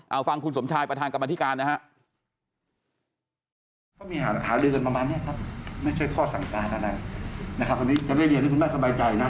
เอาฟังคุณสมชายประธานกรรมธิการนะฮะ